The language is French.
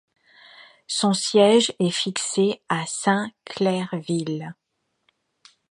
Son siège est fixé à Saint Clairsville.